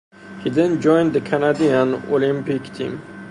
He then joined the Canadian Olympic team.